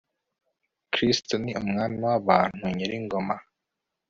r/ kristu ni umwami w'abantu, nyir'ingoma